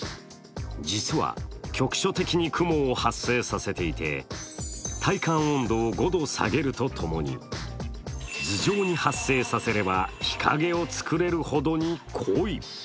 実は局所的に雲を発生させていて体感温度を５度下げるとともに頭上に発生させれば日陰を作れるほどに濃い。